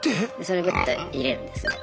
それグッと入れるんですね。